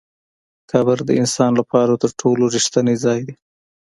قبر د انسان لپاره تر ټولو رښتینی ځای دی.